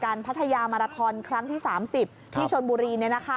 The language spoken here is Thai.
มาราทอนกันพัทยามาราทอนครั้งที่๓๐ที่ชนบุรีน